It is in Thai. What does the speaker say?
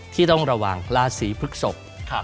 ที่ต้องระวังราศีพฤกษก